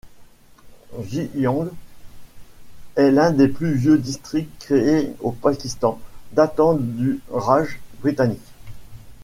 Jhang est l'un des plus vieux districts créés au Pakistan, datant du Raj britannique.